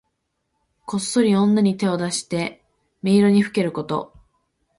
こっそり女に手を出して女色にふけること。